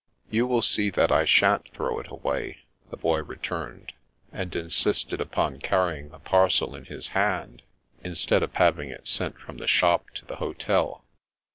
" You will see that I shan't throw it away," the Boy returned, and insisted upon carrying the parcel in his hand, instead of having it sent from the shop to the hotel.